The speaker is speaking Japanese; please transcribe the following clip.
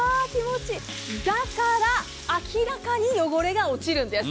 だから明らかに汚れが落ちるんです。